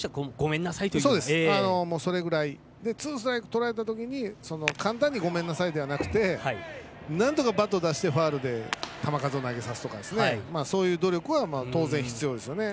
ツーストライク取られたときに簡単にごめんなさいではなくてなんとかバットを出してファウルにして球数を投げさせるとかそういう努力は必要ですよね。